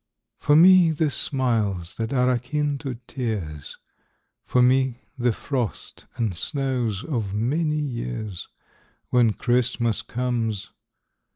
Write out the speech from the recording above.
For me, the smiles that are akin to tears, For me, the frost and snows of many years, When Christmas comes.